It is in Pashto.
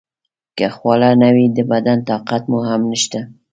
که خواړه نه وي د بدن طاقت مو هم نشته.